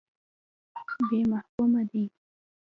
بې مفهومه دی.